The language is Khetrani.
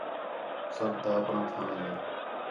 سب تا آپݨاں تھاں ہے